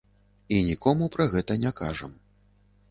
І нікому пра гэта не кажам.